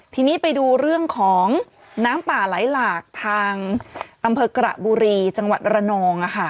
ทีนี้ไปดูเรื่องของน้ำป่าไหลหลากทางอำเภอกระบุรีจังหวัดระนอง